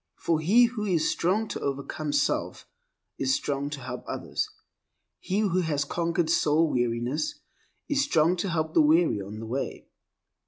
For he who is strong to overcome self is strong to help others. He who has conquered soul weariness is strong to help the weary on the way.